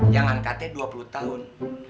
jangan kt dua puluh tahun